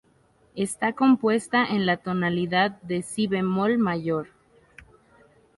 Está compuesta en la tonalidad de "si" bemol mayor.